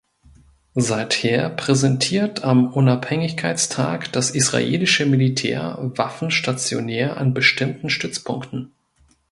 Seither präsentiert am Unabhängigkeitstag das israelische Militär Waffen stationär an bestimmten Stützpunkten.